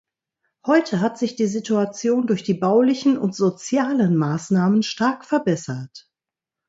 Heute hat sich die Situation durch die baulichen und sozialen Maßnahmen stark verbessert.